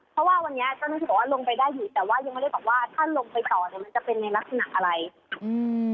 เพราะว่าวันนี้เจ้าหน้าที่บอกว่าลงไปได้อยู่แต่ว่ายังไม่ได้บอกว่าถ้าลงไปต่อเนี้ยมันจะเป็นในลักษณะอะไรอืม